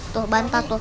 tuh bantal tuh